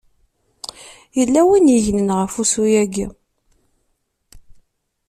Yella win i yegnen ɣef ussu-yaki.